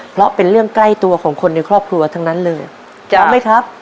เพราะเป็นเรื่องใกล้ตัวของคนในครอบครัวทั้งนั้นเลยจำไหมครับ